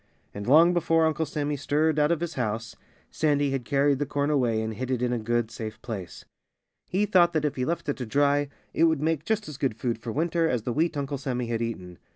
And long before Uncle Sammy stirred out of his house Sandy had carried the corn away and hid it in a good, safe place. He thought that if he left it to dry it would make just as good food for winter as the wheat Uncle Sammy had eaten.